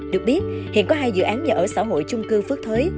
được biết hiện có hai dự án nhà ở xã hội chung cư phước thới